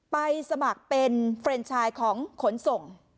ไปสมัครเป็นเฟรนชายของขนส่ง